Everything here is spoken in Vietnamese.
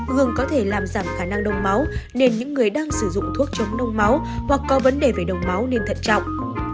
gừng có thể làm giảm khả năng đông máu nên những người đang sử dụng thuốc chống đông máu hoặc có vấn đề về đông máu nên thận trọng